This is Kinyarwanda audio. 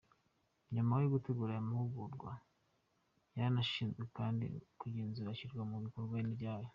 Nyuma yo gutegura aya mavugururwa, yanashinzwe kandi kugenzura ishyirwa mu bikorwa ryayo.